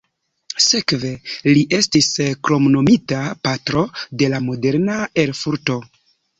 Sekve li estis kromnomita "patro de la moderna Erfurto".